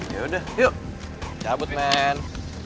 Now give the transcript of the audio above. yaudah yuk cabut men